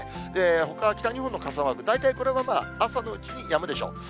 ほかは北日本の傘マーク、大体これはまあ、朝のうちにやむでしょう。